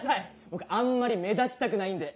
僕あんまり目立ちたくないんで。